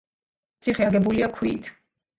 ციხე აგებულია ქვით.